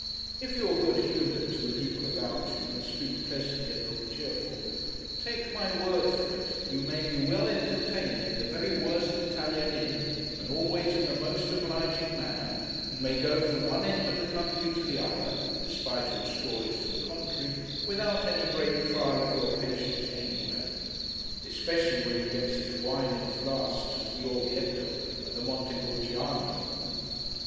If you are good humoured to the people about you, and speak pleasantly, and look cheerful, take my word for it you may be well entertained in the very worst Italian Inn, and always in the most obliging manner, and may go from one end of the country to the other (despite all stories to the contrary) without any great trial of your patience anywhere. Especially, when you get such wine in flasks, as the Orvieto, and the Monte Pulciano.